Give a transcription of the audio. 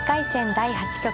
第８局。